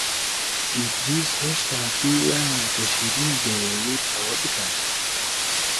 ئیدریس هێشتا پێی وایە کە شیرین دەیەوێت ئەوە بکات.